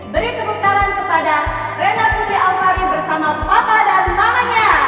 beri tepuk tangan kepada rena putri amari bersama papa dan mamanya